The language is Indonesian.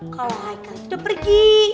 kalo haikal itu udah pergi